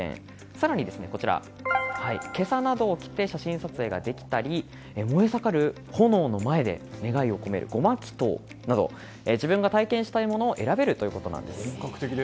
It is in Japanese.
更に袈裟などを着て写真撮影ができたり燃え盛る炎の前で願いを込める護摩祈祷など自分が体験したいものを選べるということです。